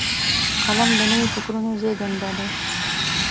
قلم د نوي فکرونو زیږنده دی